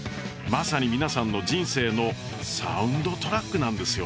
まさに皆さんの人生のサウンドトラックなんですよね。